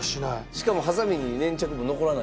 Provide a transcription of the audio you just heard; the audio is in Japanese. しかもハサミに粘着も残らないんですか？